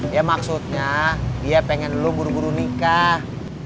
ya maksudnya dia pengen dulu buru buru nikah